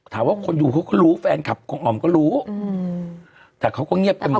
คนดูเขาก็รู้แฟนคลับของอ๋อมก็รู้แต่เขาก็เงียบกันหมด